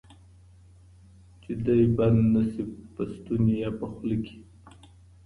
چی دي بند نه سي په ستوني یا په خوله کی